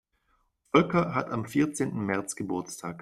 Volker hat am vierzehnten März Geburtstag.